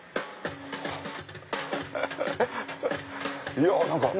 いや何か。